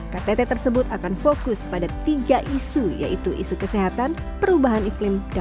ktt tersebut akan fokus pada tiga isu yaitu isu kesehatan perubahan iklim dan kesehatan